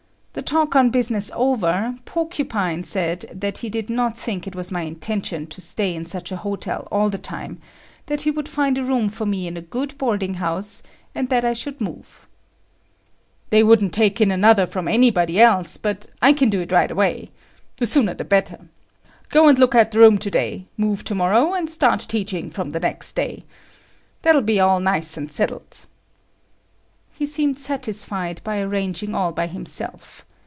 The talk on business over, Porcupine said that he did not think it was my intention to stay in such a hotel all the time, that he would find a room for me in a good boarding house, and that I should move. "They wouldn't take in another from anybody else but I can do it right away. The sooner the better. Go and look at the room to day, move tomorrow and start teaching from the next day. That'll be all nice and settled." He seemed satisfied by arranging all by himself.